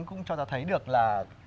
cũng cho ta thấy được là